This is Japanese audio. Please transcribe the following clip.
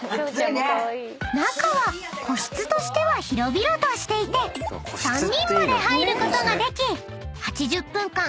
［中は個室としては広々としていて３人まで入ることができ８０分間